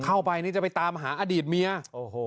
เข้าไปนี่จะไปตามหาอดีตเมียโอ้โห